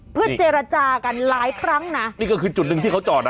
เพื่อเจรจากันหลายครั้งนะนี่ก็คือจุดหนึ่งที่เขาจอดนะ